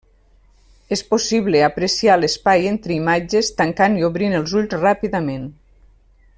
És possible apreciar l'espai entre imatges tancant i obrint els ulls ràpidament.